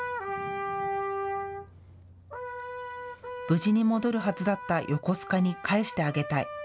無事に戻るはずだった横須賀に帰してあげたい。